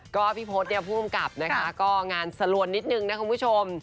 ก็พี่พศเนี่ยผู้กำกับนะคะก็งานสลวนนิดนึงนะคุณผู้ชม